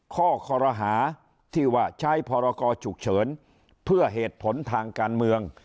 ข้อคอรหาที่ว่าใช้พรกรฉุกเฉินเพื่อเหตุผลทางการเมือง